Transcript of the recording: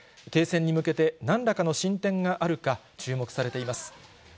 停戦に向けて、なんらかの進展があるか注目されています。